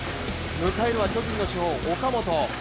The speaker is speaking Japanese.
迎えるは、巨人の主砲・岡本。